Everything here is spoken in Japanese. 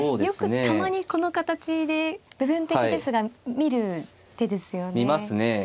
よくたまにこの形で部分的ですが見る手ですよね。